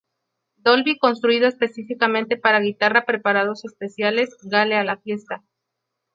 Dolby construido específicamente para guitarra preparados especiales Gale a la fiesta.